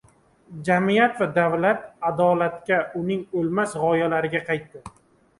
Jamiyat va davlat adolatga, uning oʻlmas gʻoyalariga qaytdi.